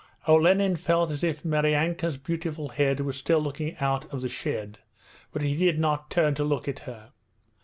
Olenin felt as if Maryanka's beautiful head was still looking out of the shed but he did not turn to look at her.